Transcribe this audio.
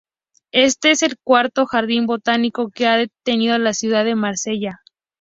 Este es el cuarto jardín botánico que ha tenido la ciudad de Marsella.